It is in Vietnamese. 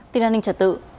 tin an ninh trật tự